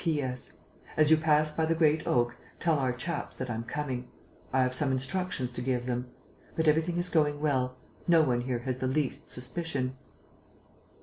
"A. L. "P. S. As you pass by the Great Oak, tell our chaps that I'm coming. I have some instructions to give them. But everything is going well. No one here has the least suspicion."